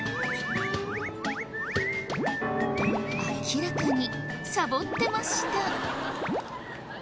明らかにさぼってました。